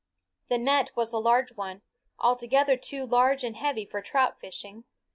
The net was a large one, altogether too large and heavy for trout fishing.